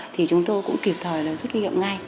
thì chúng tôi cũng kịp thời là rút kinh nghiệm ngay